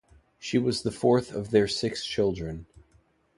She was the fourth of their six children.